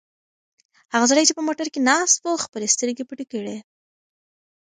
هغه سړی چې په موټر کې ناست و خپلې سترګې پټې کړې.